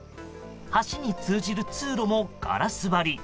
橋に通じる通路もガラス張り。